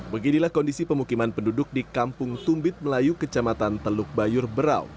beginilah kondisi pemukiman penduduk di kampung tumbit melayu kecamatan teluk bayur berau